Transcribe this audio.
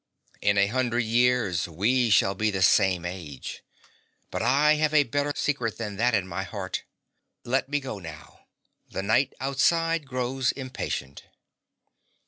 In a hundred years, we shall be the same age. But I have a better secret than that in my heart. Let me go now. The night outside grows impatient.